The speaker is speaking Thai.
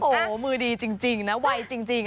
โอ้โหมือดีจริงนะวัยจริง